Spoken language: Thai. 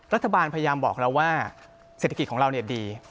รัฐบาลพยายามบอกเราว่าเศรษฐกิจของเราดี